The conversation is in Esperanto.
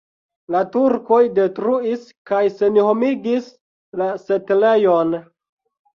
La turkoj detruis kaj senhomigis la setlejon.